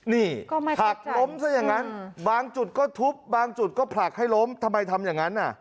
นี่ผลักล้มซะอย่างนั้นบางจุดก็ทุบบางจุดก็ผลักให้ล้มทำไมทำอย่างนั้นน่ะ